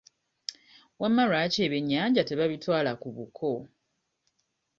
Wamma lwaki ebyenyanja tebabitwala ku buko?